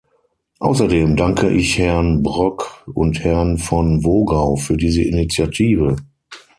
Außerdem danke ich Herrn Brok und Herrn von Wogau für diese Initiative.